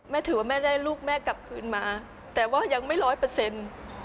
ถือว่าแม่ได้ลูกแม่กลับคืนมาแต่ว่ายังไม่ร้อยเปอร์เซ็นต์